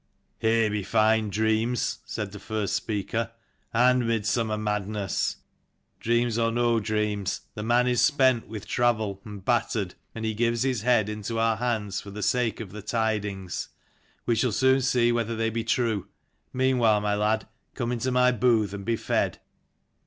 " Here be fine dreams," said the first speaker, "and mid summer madness." " Dreams or no dreams, the man is spent with travel and battered, and he gives his head into our hands for the sake of the tidings. We shall soon see whether they be true. Meanwhile, my lad, come into my booth and be fed."